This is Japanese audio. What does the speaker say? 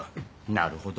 なるほど。